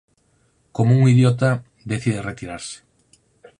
Como un idiota decide retirarse.